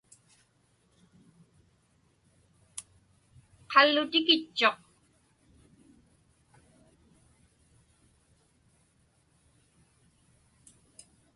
Qallutikitchuq.